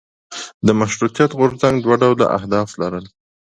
د مشروطیت غورځنګ دوه ډوله اهداف لرل.